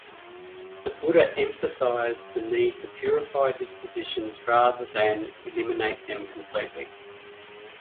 The Buddha emphasized the need to purify dispositions rather than eliminate them completely.